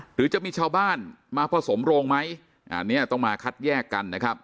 หรือจะมีชาวบ้านมาผสมโรงไหมอันนี้ต้องมาคัดแยกกันนะครับ